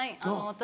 私